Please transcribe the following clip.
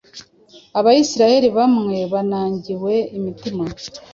Abisirayeli bamwe banangiwe imitima,